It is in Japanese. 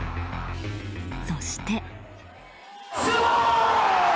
そして。